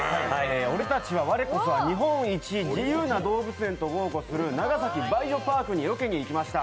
俺たちは我こそは日本一、自由な動物園だと豪語する長崎バイオパークにロケに行きました。